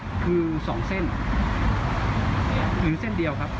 ที่ตึกนี้ค่ะ